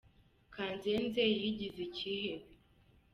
Kanzenze yigize icyihebe.